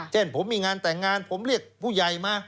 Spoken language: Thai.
เช่นผมมีงานแต่งงานผมเรียกผู้ใหญ่มา